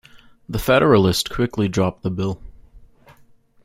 The Federalists quickly dropped the bill.